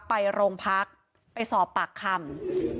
ไปโรงพักไปสอบปากคำ